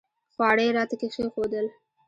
خواړه یې راته کښېښودل.